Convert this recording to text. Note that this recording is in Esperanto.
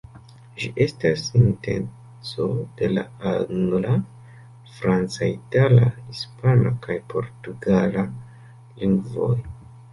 Ĝi estas sintezo de la angla, franca, itala, hispana kaj portugala lingvoj.